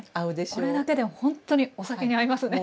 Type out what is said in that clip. これだけでほんとにお酒に合いますね。